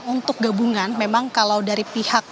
untuk gabungan memang kalau dari pihak